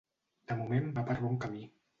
De moment va per bon camí.